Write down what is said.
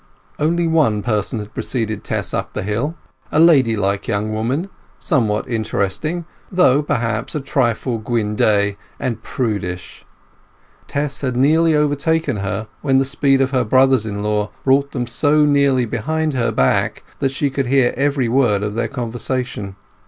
Only one person had preceded Tess up the hill—a ladylike young woman, somewhat interesting, though, perhaps, a trifle guindée and prudish. Tess had nearly overtaken her when the speed of her brothers in law brought them so nearly behind her back that she could hear every word of their conversation.